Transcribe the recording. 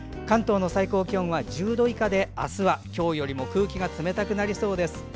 関東の最高気温は１０度以下であすは今日よりも空気が冷たくなりそうです。